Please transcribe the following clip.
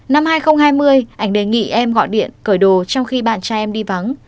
năm hai nghìn hai mươi ảnh đề nghị em gọi điện cởi đồ trong khi bạn trai em đi vắng